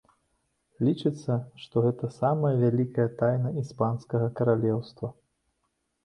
Лічыцца, што гэта самая вялікая тайна іспанскага каралеўства.